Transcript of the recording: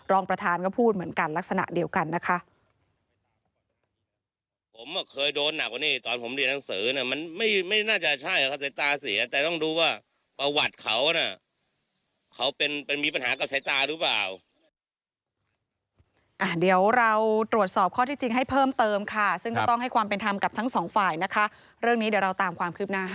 รองประธานก็พูดเหมือนกันลักษณะเดียวกันนะคะ